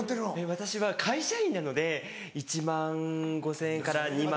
私は会社員なので１万５０００円から２万。